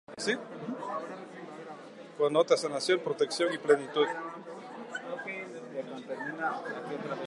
Connota sanación, protección y plenitud.